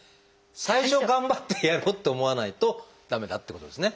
最初頑張ってやろうと思わないと駄目だってことですね。